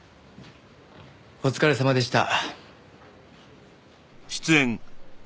お疲れさまでした。